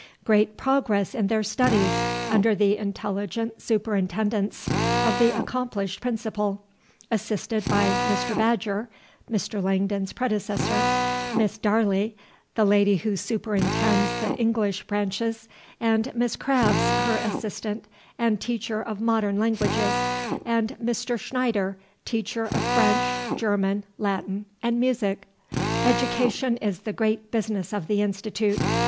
".... great progress in their studies, under the intelligent superintendence of the accomplished Principal, assisted by Mr. Badger, [Mr. Langdon's predecessor,] Miss Darley, the lady who superintends the English branches, Miss Crabs, her assistant and teacher of Modern Languages, and Mr. Schneider, teacher of French, German, Latin, and Music.... "Education is the great business of the Institute.